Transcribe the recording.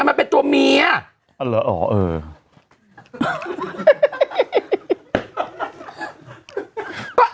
อะไรนะ